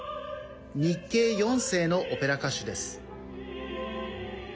日系４世のオペラ歌手です。